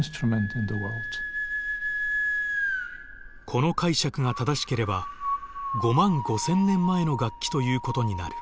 この解釈が正しければ５万５，０００年前の楽器ということになる。